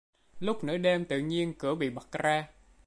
Lúc nửa đêm tự nhiên cửa bị bật ra